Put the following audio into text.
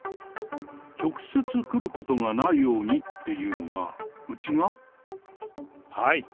直接来ることがないようにっていうのは、うちが？